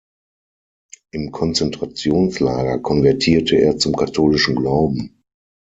Im Konzentrationslager konvertierte er zum katholischen Glauben.